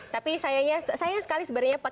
tapi sayang sekali sebenarnya